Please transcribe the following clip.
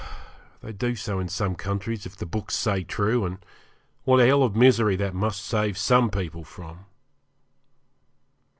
They do so in some countries, if the books say true, and what a hell of misery that must save some people from!